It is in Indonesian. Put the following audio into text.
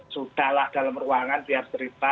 sudahlah dalam ruangan biar cerita